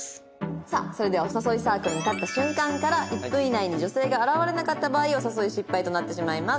さあそれではお誘いサークルに立った瞬間から１分以内に女性が現れなかった場合お誘い失敗となってしまいます。